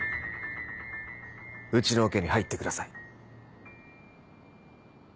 うちのオケに入ってください。